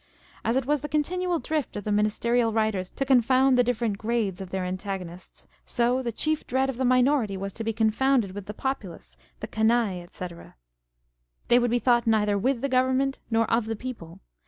1 As it was the continual drift of the Ministerial writers to con found the different grades of their antagonists, so the chief dread of the Minority was to be confounded with the populace, the Canaille, &c. They would be thought neither with the Government nor of the People.